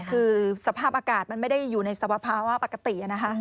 คือสภาพอากาศมันไม่ได้อยู่ในสภาวะปกตินะคะ